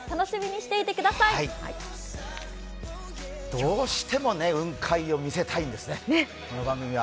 どうしても雲海を見せたいんですね、この番組は。